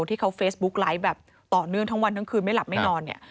ที่เขาเฟซบุ๊กไลฟ์แบบต่อเนื่องทั้งวันทั้งคืนไม่หลับไม่นอนเนี่ย